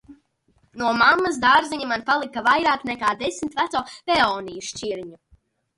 No mammas dārziņa man palika vairāk nekā desmit veco peoniju šķirņu.